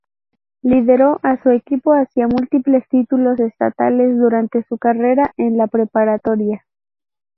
Lideró a su equipo hacia múltiples títulos estatales durante su carrera en la preparatoria.